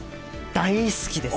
大好きです！